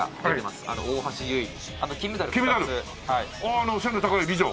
あの背の高い美女。